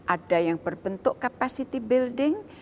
ada yang berbentuk capacity building